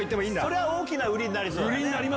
それ大きな売りになりそうだね。